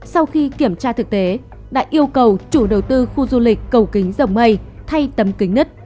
sau khi kiểm tra thực tế đã yêu cầu chủ đầu tư khu du lịch cầu kính rồng mây thay tấm kính nứt